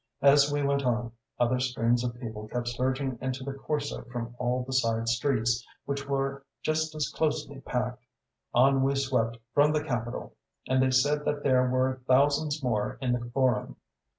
As we went on, other streams of people kept surging into the Corso from all the side streets, which were just as closely packed; on we swept from the Capitol; and they said that there were thousands more in the Forum.